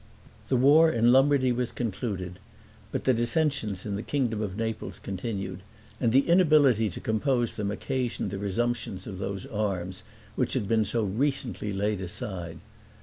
The war in Lombardy was concluded; but the dissensions in the kingdom of Naples continued, and the inability to compose them occasioned the resumption of those arms which had been so recently laid aside.